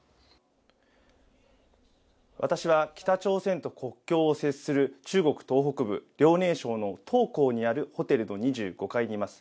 私は北朝鮮と国境を接する中国東北部、遼寧省の東港にあるホテルの２５階にいます。